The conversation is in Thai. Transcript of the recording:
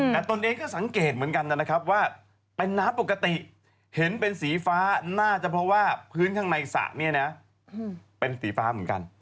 แต่ตนเองก็สังเกตเหมือนกันนะครับว่าเป็นน้ำปกติเห็นเป็นสีฟ้าน่าจะเพราะว่าพื้นข้างในสระเนี่ยนะเป็นสีฟ้าเหมือนกัน